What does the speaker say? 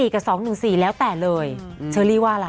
กับ๒๑๔แล้วแต่เลยเชอรี่ว่าอะไร